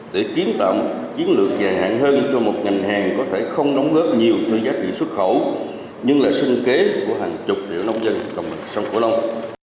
để kiến tạo chiến lược dài hạn hơn cho một ngành hàng có thể không nống lớp nhiều cho giá trị xuất khẩu nhưng là sinh kế của hàng chục liệu nông dân trong sông cửu long